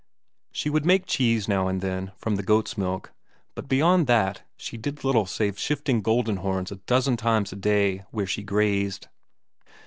She would make cheese now and then from the goats' milk, but beyond that she did little save shifting Goldenhorns a dozen times a day where she grazed.